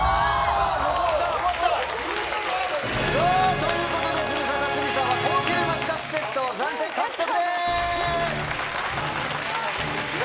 ということで、ズムサタ、鷲見さんは高級マスカットセットを暫定獲得です。